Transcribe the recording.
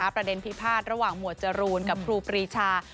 พิพาทระหว่างหมวดจรูนกับครูปรีชา